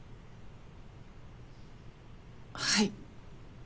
はい。